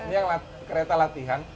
ini kereta latihan